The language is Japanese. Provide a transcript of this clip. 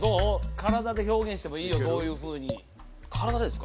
体で表現してもいいよどういうふうに体でですか？